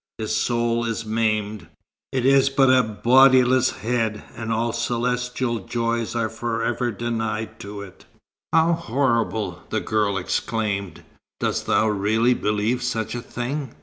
His soul is maimed. It is but a bodiless head, and all celestial joys are for ever denied to it." "How horrible!" the girl exclaimed. "Dost thou really believe such a thing?"